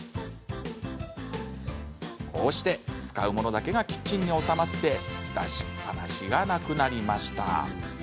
こうして、使うものだけがキッチンに収まって出しっぱなしがなくなりました。